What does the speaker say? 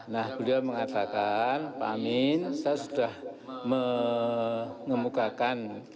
nah beliau mengatakan pak amin saya sudah mengemukakan